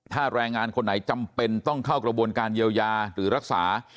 ถ้าแรงงานคนไหนจำเป็นต้องเข้ากระบวนการเยียวยาหรือรักษา